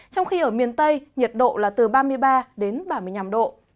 trong khi ở miền tây nhiệt độ là từ ba mươi ba đến ba mươi năm độ